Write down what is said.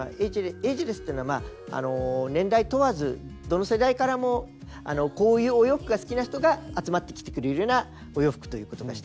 エイジレスっていうのは年代問わずどの世代からもこういうお洋服が好きな人が集まってきてくれるようなお洋服ということが１つ。